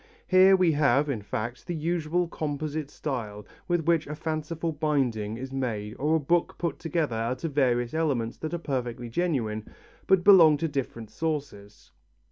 Here we have, in fact, the usual composite style with which a fanciful binding is made or a book put together out of various elements that are perfectly genuine, but belong to different sources.